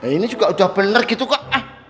ini juga udah bener gitu kak